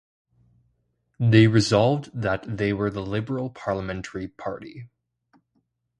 They resolved that they were the Liberal Parliamentary Party.